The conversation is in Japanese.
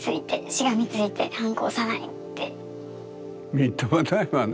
みっともないわね。